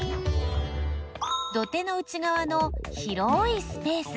土手の内がわの広いスペース。